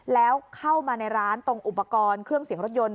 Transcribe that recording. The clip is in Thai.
แล้วเข้ามาในร้านตรงอุปกรณ์เครื่องเสียงรถยนต์